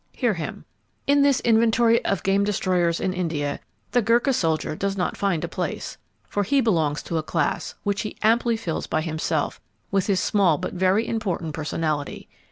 Hear him: "In this inventory (of game destroyers in India), the Gurkha soldier does not find a place, for he belongs to a class which he amply fills by himself with his small but very important personality.